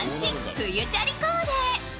冬チャリコーデ」。